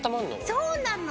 そうなの。